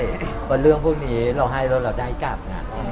เพราะเรื่องพวกนี้เราให้แล้วเราได้กลับ